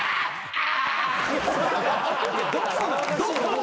あ！